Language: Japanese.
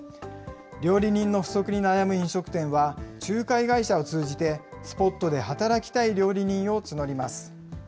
料理人の不足に悩む飲食店は、仲介会社を通じて、スポットで働きたい料理人を募ります。